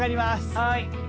はい。